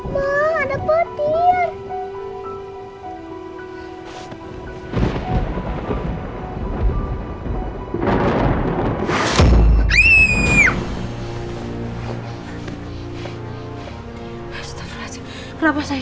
jadi perusahaan suami saya